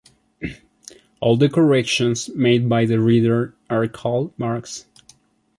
All the corrections made by the reader are called marks.